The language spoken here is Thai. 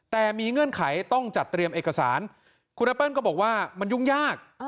แต่มีเงื่อนไขต้องจัดเตรียมเอกสารคุณแอปเปิ้ลก็บอกว่ามันยุ่งยาก